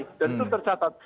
dan itu tercatat